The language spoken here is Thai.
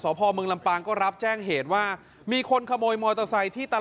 พ่อเมืองลำปางก็รับแจ้งเหตุว่ามีคนขโมยมอเตอร์ไซค์ที่ตลาด